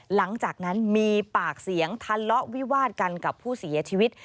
หลังจากนั้นมีปากเสียงทะเลาะวิวาดกันกับผู้เสียชีวิต